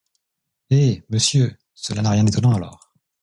Eh! monsieur, cela n’a rien d’étonnant alors !